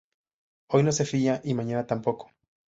Hoy no se fía y mañana tampoco